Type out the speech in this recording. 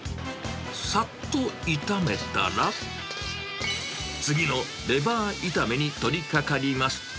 さっと炒めたら、次のレバー炒めに取りかかります。